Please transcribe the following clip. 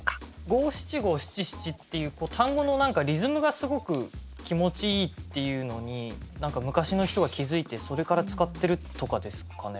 五七五七七っていう単語のリズムがすごく気持ちいいっていうのに何か昔の人が気付いてそれから使ってるとかですかね？